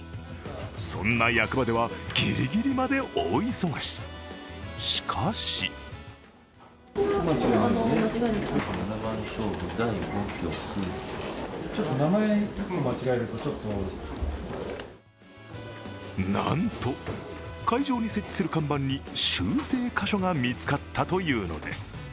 そんな役場ではぎりぎりまで大忙し、しかしなんと、会場に設置する看板に修正箇所が見つかったというのです。